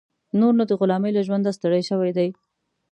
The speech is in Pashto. نور نو د غلامۍ له ژونده ستړی شوی دی.